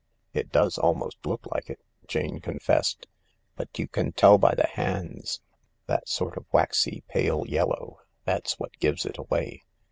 " It does almost look like it," Jane confessed, " but you can tell by the hands. That sort of waxy pale yellow ^ that's what gives it away.